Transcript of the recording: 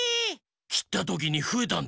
きったときにふえたんだ。